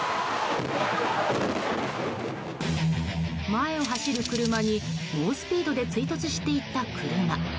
前を走る車に猛スピードで追突していった車。